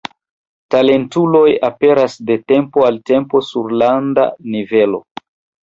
Talentuloj aperas de tempo al tempo sur landa nivelo.